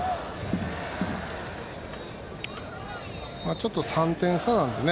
ちょっと、３点差なのでね。